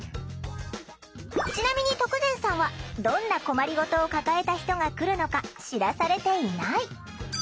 ちなみに徳善さんはどんな困りごとを抱えた人が来るのか知らされていない。